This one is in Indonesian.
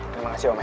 terima kasih om ya